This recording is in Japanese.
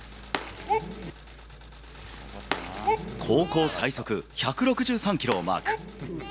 高校最速１６３キロをマーク。